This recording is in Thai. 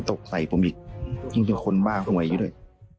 ตกใส่ผมอีกยิ่งเป็นคนบ้าหวยอยู่ด้วย